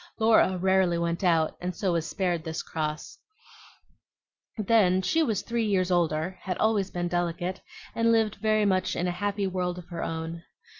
Laura rarely went out, and so was spared this cross; then she was three years older, had always been delicate, and lived much in a happy world of her own.